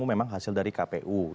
memang hasil dari kpu